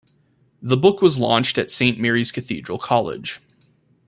The book was launched at Saint Mary's Cathedral College.